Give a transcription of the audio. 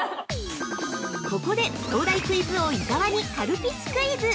◆ここで東大クイズ王・伊沢にカルピスクイズ。